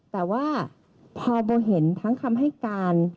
แต่ว่าพอโบเห็นทั้งคำให้การ